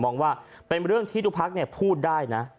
มองว่าเป็นเรื่องที่ทุกพักพูดได้นะ